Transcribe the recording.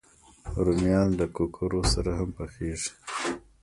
رومیان له کوکرو سره هم پخېږي